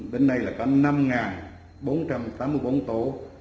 đến nay là có năm bốn trăm tám mươi bốn tổ